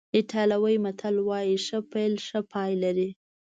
ایټالوي متل وایي ښه پیل ښه پای لري.